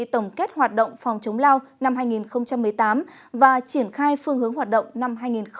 tổng kết hoạt động phòng chống lao năm hai nghìn một mươi tám và triển khai phương hướng hoạt động năm hai nghìn một mươi chín